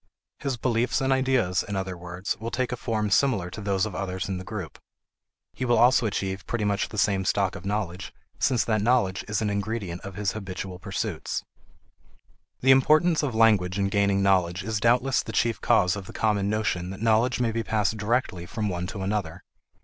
His beliefs and ideas, in other words, will take a form similar to those of others in the group. He will also achieve pretty much the same stock of knowledge since that knowledge is an ingredient of his habitual pursuits. The importance of language in gaining knowledge is doubtless the chief cause of the common notion that knowledge may be passed directly from one to another.